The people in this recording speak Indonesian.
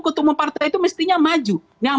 ketemu partai itu mestinya maju